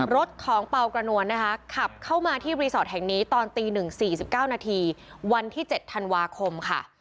รถของเปล่ากระนวลนะคะขับเข้ามาที่รีสอร์ทแห่งนี้ตอนตี๑๔๙นาทีวันที่๗ธันวาคมค่ะ